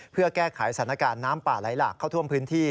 เพื่อแก้ไขสถานการณ์น้ำป่าไหลหลากเข้าท่วมพื้นที่